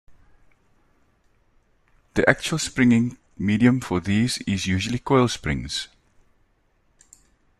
The actual springing medium for these is usually coil springs.